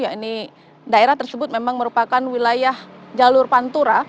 yakni daerah tersebut memang merupakan wilayah jalur pantura